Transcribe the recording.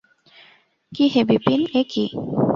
কী হে বিপিন– এ কী?